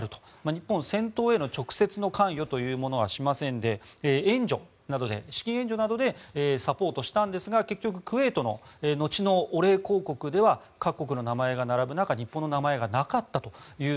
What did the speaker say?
日本は戦闘への直接の関与というものはしませんで資金援助などでサポートしたんですが結局、クウェートの後のお礼広告では各国の名前が並ぶ中日本の名前がなかったという